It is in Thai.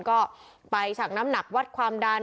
ก็ไปฉักน้ำหนักวัดความดัน